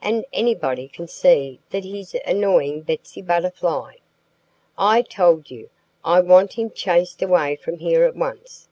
And anybody can see that he's annoying Betsy Butterfly. I tell you, I want him chased away from here at once.